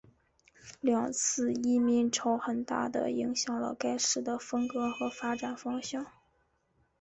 两次移民潮很大的影响了该市的风格和发展方向。